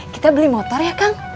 kita beli motor ya kang